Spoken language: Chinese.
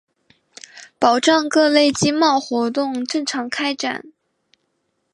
保障各类经贸活动正常开展